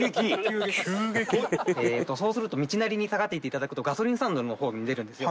そうすると道なりに下がっていっていただくとガソリンスタンドの方に出るんですよ。